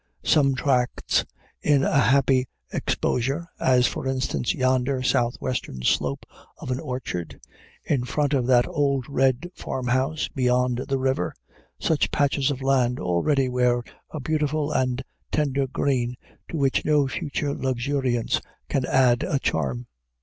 Some tracts in a happy exposure as, for instance, yonder southwestern slope of an orchard, in front of that old red farmhouse beyond the river such patches of land already wear a beautiful and tender green to which no future luxuriance can add a charm.